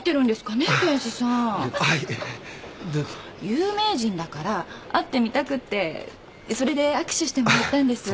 有名人だから会ってみたくってそれで握手してもらったんです。